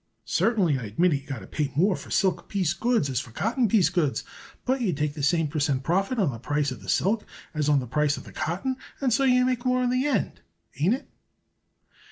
Certainly, I admit it you got to pay more for silk piece goods as for cotton piece goods, but you take the same per cent. profit on the price of the silk as on the price of the cotton, and so you make more in the end. Ain't it?"